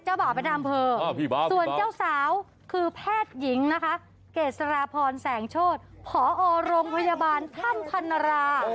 บ่าวเป็นอำเภอส่วนเจ้าสาวคือแพทย์หญิงนะคะเกษราพรแสงโชธผอโรงพยาบาลท่านพันรา